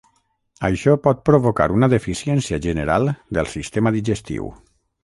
Això pot provocar una deficiència general del sistema digestiu.